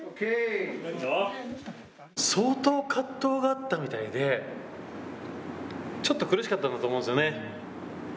相当葛藤があったみたいで、ちょっと苦しかったんだと思うんですよね。